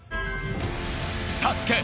ＳＡＳＵＫＥ